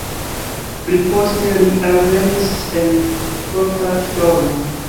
Pliposte li alvenis en forta ŝtormo.